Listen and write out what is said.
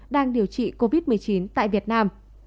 đang điều trị covid một mươi chín tại việt nam